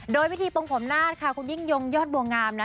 โดยพิธีปงผมนาฏค่ะคุณยิ่งยงยอดบัวงามนะ